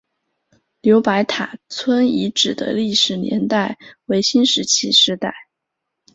刘白塔村遗址的历史年代为新石器时代。